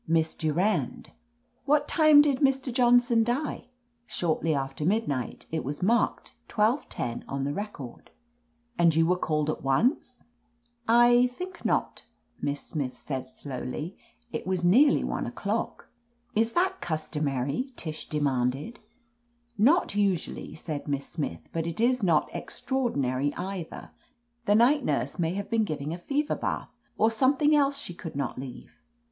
"Miss Durand." "What time did Mr. Johnson die ?" "Shortly after midnight It was marked twelve ten on the record." *And you were called at once ?" I — ^think not," Miss Smith said slowly. "It was nearly one o'clock." "Is that customary ?" Tish demanded. "Not usually," said Miss Smith, "but it is not extraordinary, eithen The night nurse may have been giving a fever bath, or some thing else she could not leave.